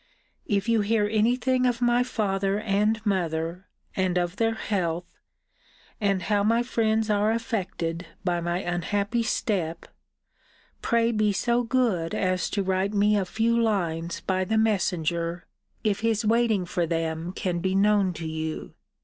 If you hear any thing of my father and mother, and of their health, and how my friends were affected by my unhappy step, pray be so good as to write me a few lines by the messenger, if his waiting for them can be known to you.